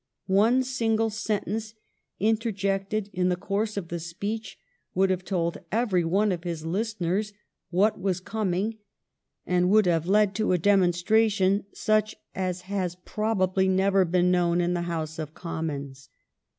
One single sentence interjected in the course of the speech would have told every one of his hearers what was coming and would have led to a demonstration such as has probably never been known in the House of Commons.